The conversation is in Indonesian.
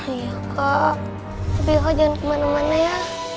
iya kak tapi kakak jangan kemana mana ya